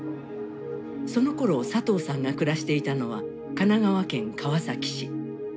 そのころサトウさんが暮らしていたのは神奈川県川崎市。